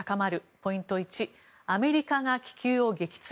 ポイント１アメリカが気球を撃墜